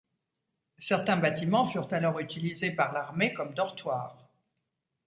Certains bâtiments furent alors utilisés par l'armée comme dortoirs.